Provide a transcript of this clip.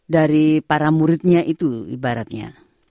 dari para muridnya itu ibaratnya